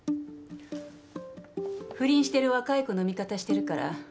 不倫してる若い子の味方してるからてっきり。